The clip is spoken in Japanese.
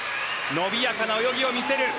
伸びやかな泳ぎを見せる。